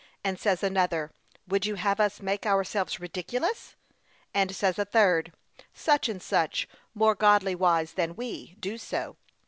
and says another, Would you have us make ourselves ridiculous? and says a third, Such and such, more godly wise than we, do so.